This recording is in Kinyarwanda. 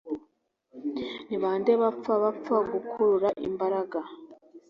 Ni bande bapfa bapfa gukurura imbaraga?